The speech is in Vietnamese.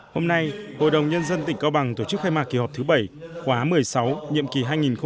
hôm nay hội đồng nhân dân tỉnh cao bằng tổ chức khai mạc kỳ họp thứ bảy khóa một mươi sáu nhiệm kỳ hai nghìn một mươi sáu hai nghìn hai mươi một